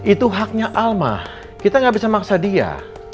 itu haknya alma kita gak bisa maksa dia